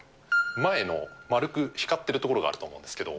前の丸く光っている所があると思うんですけど。